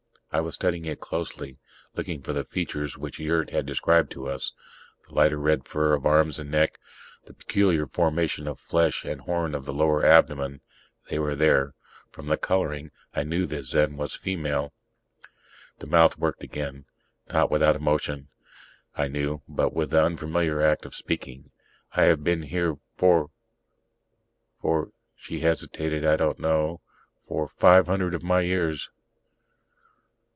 I was studying it closely, looking for the features which Yurt had described to us: the lighter red fur of arms and neck, the peculiar formation of flesh and horn on the lower abdomen. They were there. From the coloring, I knew this Zen was a female. The mouth worked again not with emotion, I knew, but with the unfamiliar act of speaking. "I have been here for for " she hesitated "I don't know. For five hundred of my years."